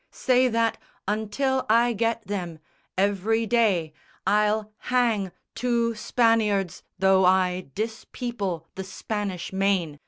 Say that, until I get them, every day I'll hang two Spaniards though I dispeople The Spanish Main.